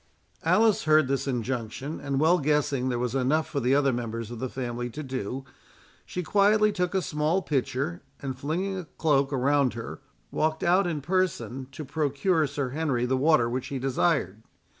Alice heard this injunction, and well guessing there was enough for the other members of the family to do, she quietly took a small pitcher, and flinging a cloak around her, walked out in person to procure Sir Henry the water which he desired.